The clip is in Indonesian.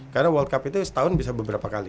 karena world cup itu setahun bisa beberapa kali